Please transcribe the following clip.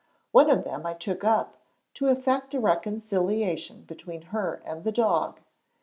One of them I took up, to effect a reconciliation between her and the dog.